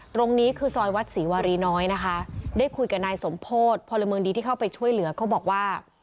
ตรงนี้คือซอยวัดศรีวารีน้อยนะคะได้คุยกับนายสมโพธิพลเมืองดีที่เข้าไปช่วยเหลือเขาบอกว่า